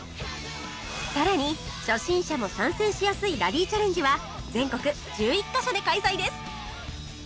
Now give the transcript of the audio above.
さらに初心者も参戦しやすいラリーチャレンジは全国１１カ所で開催です